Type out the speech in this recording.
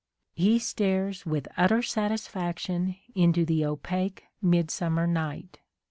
He stares with utter satisfaction into the opaque mid summer night.